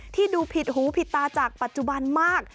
ดูผิดหูผิดตาจากปัจจุบันมาก